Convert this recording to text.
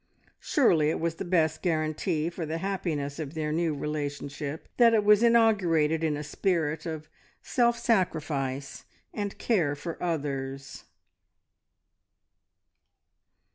Surely it was the best guarantee for the happiness of their new relationship, that it was inaugurated in a spirit of self sacrifice and care for others.